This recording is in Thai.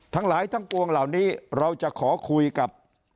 ทั้งหลายทั้งปวงเหล่านี้เราจะขอคุยกับ